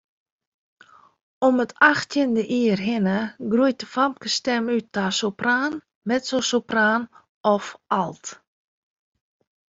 Om it achttjinde jier hinne groeit de famkesstim út ta sopraan, mezzosopraan of alt.